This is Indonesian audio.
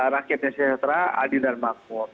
rakyat yang sejahtera adil dan makmur